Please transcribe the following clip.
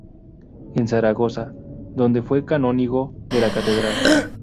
En Zaragoza, donde fue canónigo de la catedral.